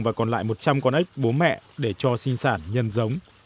và còn lại một trăm linh con ếch bố mẹ để cho sinh sản nhân giống